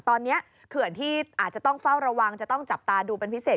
ตอนนี้เขื่อนที่อาจจะต้องเฝ้าระวังจะต้องจับตาดูเป็นพิเศษ